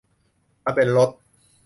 มันเป็นรถ